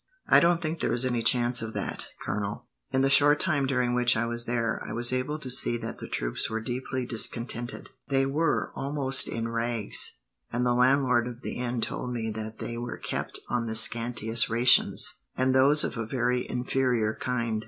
"I don't think there is any chance of that, Colonel. In the short time during which I was there, I was able to see that the troops were deeply discontented. They were almost in rags, and the landlord of the inn told me that they were kept on the scantiest rations, and those of a very inferior kind.